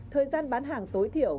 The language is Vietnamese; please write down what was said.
thời gian bán hàng tối thiểu